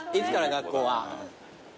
学校は。